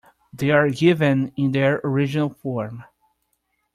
They are given in their original form.